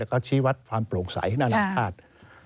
และก็ชีวัตรความโปร่งสัยนานาชาติ